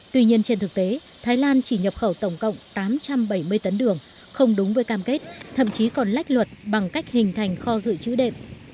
tuy nhiên trên thực tế thái lan chỉ nhập khẩu tổng cộng tám trăm bảy mươi tấn đường không đúng với cam kết thậm chí còn lách luật bằng cách hình thành kho dự trữ đệm